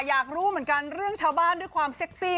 อยากรู้เหมือนกันเรื่องชาวบ้านด้วยความเซ็กซี่